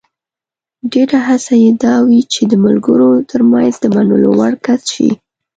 ډېره هڅه یې دا وي چې د ملګرو ترمنځ د منلو وړ کس شي.